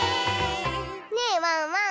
ねえワンワン